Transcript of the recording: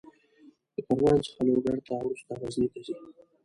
له پروان څخه لوګر ته، وروسته غزني ته ځي.